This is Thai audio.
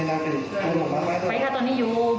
พ่อเช่าไปพังรับคุยกับพ่อ